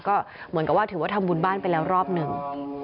ก็เหมือนกับว่าถือว่าทำบุญบ้านไปแล้วรอบหนึ่ง